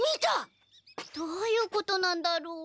どういうことなんだろう？